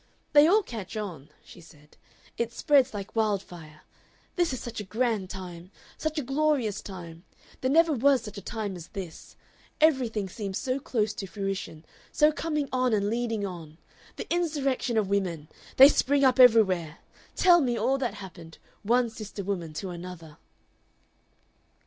"They all catch on," she said. "It spreads like wildfire. This is such a grand time! Such a glorious time! There never was such a time as this! Everything seems so close to fruition, so coming on and leading on! The Insurrection of Women! They spring up everywhere. Tell me all that happened, one sister woman to another."